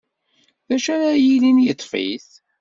D acu ara yilin yeṭṭef-it?